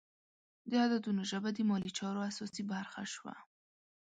د عددونو ژبه د مالي چارو اساسي برخه شوه.